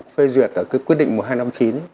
phê duyệt ở cái quyết định mùa hai năm chín